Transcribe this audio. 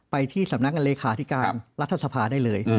ไปที่สำนักงานเลขาธิการรัฐสภาได้เลย